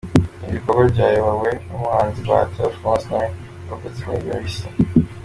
Ibi bikorwa byayobowe n’umuhanzi Bahati Alphonse nawe warokotse muri iyo bisi.